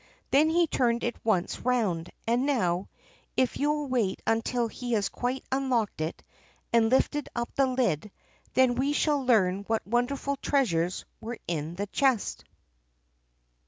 Then he turned it once round, and now, if you will wait until he has quite unlocked it, and lifted up the lid, then we shall learn what wonderful treasures were in the chest!